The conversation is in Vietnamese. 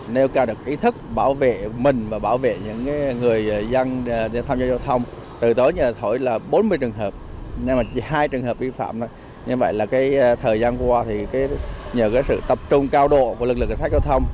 nêu cao được ý thức bảo vệ mình và bảo vệ những người dân giao thông từ tối nhờ thổi là bốn mươi trường hợp hai trường hợp vi phạm như vậy là thời gian qua nhờ sự tập trung cao độ của lực lượng cơ sách giao thông